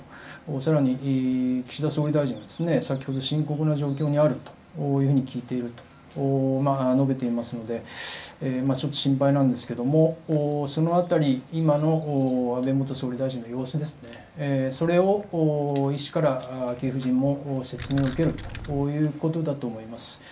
さらに岸田総理大臣は、先ほど、深刻な状況にあるというふうに聞いていると述べていますので、ちょっと心配なんですけれども、そのあたり、今の安倍元総理大臣の様子ですね、それを医師から昭恵夫人も説明を受けるということだと思います。